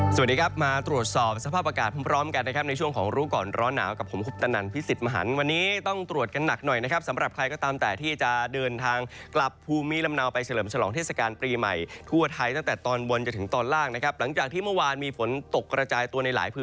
สวัสดีครับมาตรวจสอบสภาพอากาศพร้อมกันนะครับในช่วงของรู้ก่อนร้อนหนาวกับผมคุปตนันพิสิทธิ์มหันวันนี้ต้องตรวจกันหนักหน่อยนะครับสำหรับใครก็ตามแต่ที่จะเดินทางกลับภูมิลำเนาไปเฉลิมฉลองเทศกาลปีใหม่ทั่วไทยตั้งแต่ตอนบนจนถึงตอนล่างนะครับหลังจากที่เมื่อวานมีฝนตกกระจายตัวในหลายพื้นที่